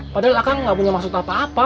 padahal akang gak punya maksud apa apa